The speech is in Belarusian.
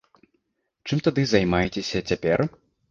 Чым тады займаецеся цяпер?